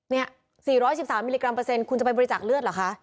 นี่๔๑๓มิลลิกรัมเปอร์เซ็นคุณจะไปบริจาคเลือดเหรอคะ